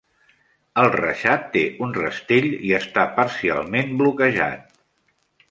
El reixat té un rastell i està parcialment bloquejat.